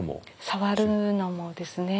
触るのもですね。